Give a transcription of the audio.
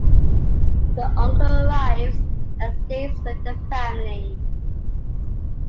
The uncle arrives and stays with the family.